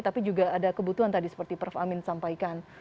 tapi juga ada kebutuhan tadi seperti prof amin sampaikan